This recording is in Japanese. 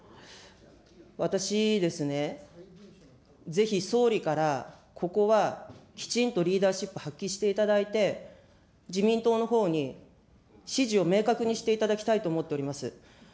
私ですね、ぜひ、総理から、ここはきちんとリーダーシップ発揮していただいて、自民党のほうに指示を明確にしていただきたいと思っております。